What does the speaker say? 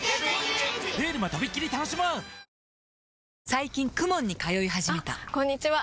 最近 ＫＵＭＯＮ に通い始めたあこんにちは！